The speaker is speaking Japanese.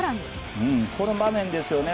この場面ですよね。